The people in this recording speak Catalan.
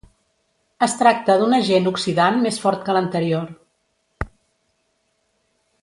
Es tracta d'un agent oxidant més fort que l'anterior.